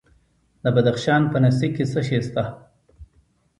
د بدخشان په نسي کې څه شی شته؟